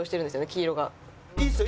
黄色が。